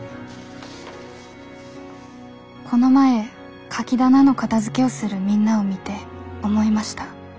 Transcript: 「この前カキ棚の片づけをするみんなを見て思いました。